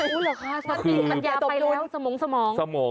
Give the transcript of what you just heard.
อุ๊ดเหรอคะสมมุมมันยาไปแล้วสมอง